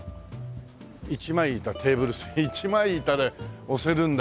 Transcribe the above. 「一枚板テーブル」一枚板で推せるんだ。